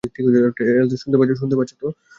Tales, শুনতে পাচ্ছ?